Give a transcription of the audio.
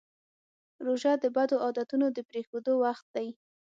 روژه د بدو عادتونو د پرېښودو وخت دی.